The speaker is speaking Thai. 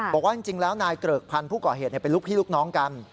บอกว่าจริงแล้วนายเกริกพันธุ์ผู้ก่อเหตุเป็นลูกพี่ลูกน้องกัน